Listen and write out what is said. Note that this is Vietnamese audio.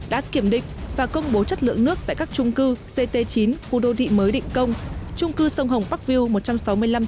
đã kiểm định và công bố chất lượng nước tại các trung cư ct chín khu đô thị mới định công trung cư sông hồng parkview một trăm sáu mươi năm thái hà